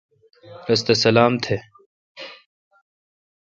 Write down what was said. رس تھ سلام تھ۔